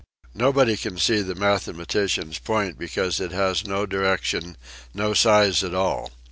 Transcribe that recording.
Nobody can see the mathematician's point because it has no dimensions, no size at all.